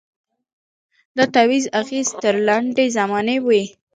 د تعویذ اغېز تر لنډي زمانې وي